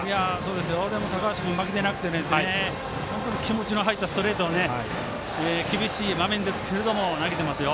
でも高橋君、負けてなくて気持ちの入ったストレートを厳しい場面ですけど投げてますよ。